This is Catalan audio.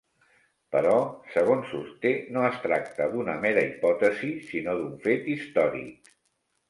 Però, segons sosté, no es tracta d'una mera hipòtesi, sinó d'un fet històric.